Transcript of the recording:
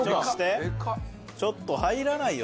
ちょっと入らないよ